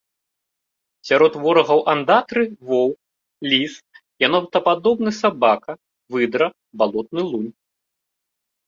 Сярод ворагаў андатры воўк, ліс, янотападобны сабака, выдра, балотны лунь.